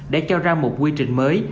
để cho ra một quy trình mới